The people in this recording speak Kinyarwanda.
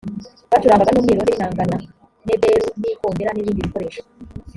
bacurangaga n’umwironge n’inanga na nebelu n’ikondera n’ibindi bikoresho